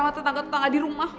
mata tangga tangga di rumah